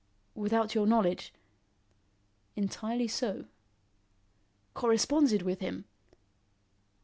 "Without your knowledge?" "Entirely so." "Corresponded with him?"